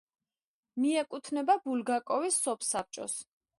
მიეკუთვნება ბულგაკოვის სოფსაბჭოს.